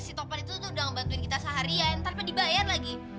si topper itu tuh udah ngebantuin kita seharian tanpa dibayar lagi